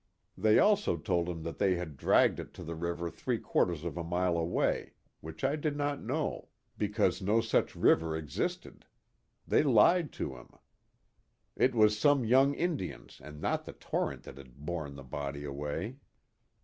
They also told him that they had dragged it to the river three quarters of a mile away, which I did not know,*' be cause no such river existed ; they lied to him. It was some young Indians and not the torrent that had borne the body away.